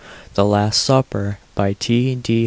_ The Last Supper By T. D.